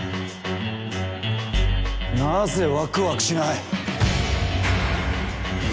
なぜワクワクしない。